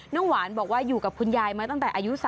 หวานบอกว่าอยู่กับคุณยายมาตั้งแต่อายุ๓๐